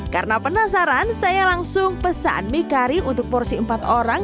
karena penasaran saya langsung pesan mie kari untuk porsi empat orang